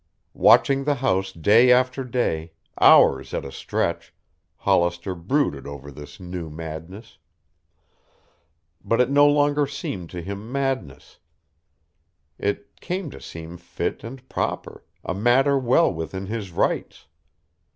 Watching the house day after day, hours at a stretch, Hollister brooded over this new madness. But it no longer seemed to him madness. It came to seem fit and proper, a matter well within his rights.